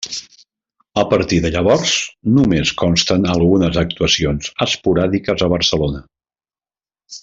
A partir de llavors, només consten algunes actuacions esporàdiques a Barcelona.